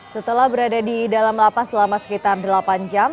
setelah berada di dalam lapas selama sekitar delapan jam